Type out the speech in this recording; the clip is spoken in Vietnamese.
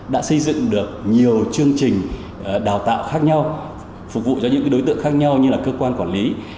đã xây dựng được nhiều chương trình đào tạo khác nhau phục vụ cho những đối tượng khác nhau như là cơ quan quản lý